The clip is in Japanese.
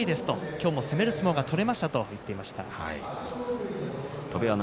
今日も攻める相撲が取れましたと話していました。